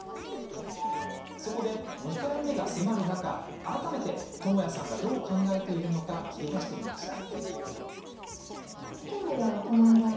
そこで、２回目が迫る中改めて、ともやさんがどう考えているのか切り出してみました。